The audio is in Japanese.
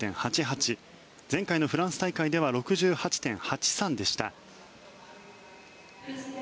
前回のフランス大会では６８．８３でした。